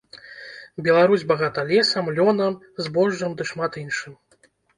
Беларусь багата лесам, лёнам, збожжам ды шмат іншым.